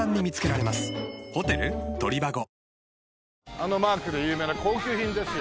あのマークで有名な高級品ですよ。